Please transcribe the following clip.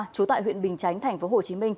trú tại huyện bình chánh tp hcm